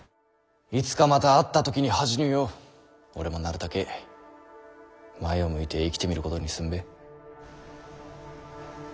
いつかまた会った時に恥じぬよう俺もなるたけ前を向いて生きてみることにすんべぇ。